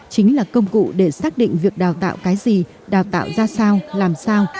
chính là công cụ để xác định việc đào tạo cái gì đào tạo ra sao làm sao